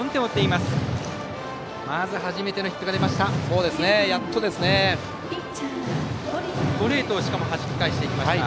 まず初めてのヒットが出ました。